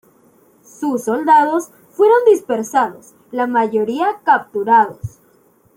Sus soldados fueron dispersados, la mayoría capturados.